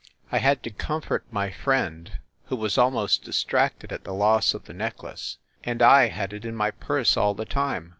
I had to comfort my friend, who was almost distracted at the loss of the necklace and I had it in my purse all the time